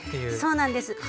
そうなんです。